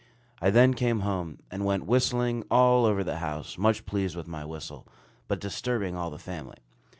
I then came home, and went whistling all over the house, much pleased with my whistle, but disturbing all the family.